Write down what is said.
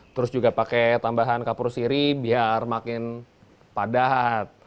terus juga pakai tambahan kapur siri biar makin padat